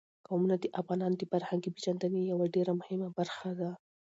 قومونه د افغانانو د فرهنګي پیژندنې یوه ډېره مهمه برخه ده.